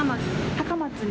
高松に？